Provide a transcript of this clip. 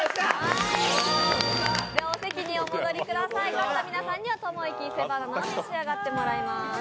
勝った皆さんにはともいき伊勢バナナを召し上がっていただきます。